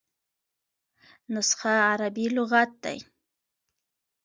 نسخه عربي لغت دﺉ.